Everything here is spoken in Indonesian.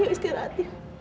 ibu selalu istirahat